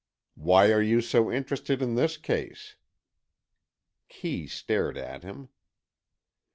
"Why are you so interested in this case?" Kee stared at him.